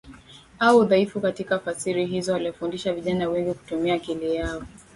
au udhaifu katika fasiri hizo Aliwafundisha vijana wengi kutumia akili yao